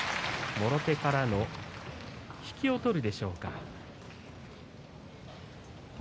もろ手からの引きを取るでしょうか。